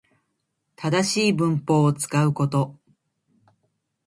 正しい文法を使うこと